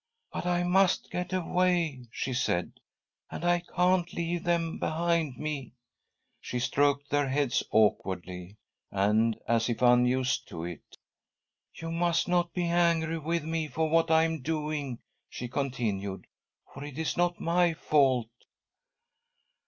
" But I must get away," she said, " and I can't leave them behind me." She stroked their heads awkwardly and as if unused to it. " You must not be angry with me for what I am doing," she continued, " for it is not my fault."